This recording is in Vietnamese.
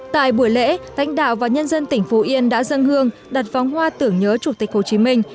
tại buổi lễ lãnh đạo và nhân dân tỉnh phú yên đã dâng hương đặt phóng hoa tưởng nhớ chủ tịch hồ chí minh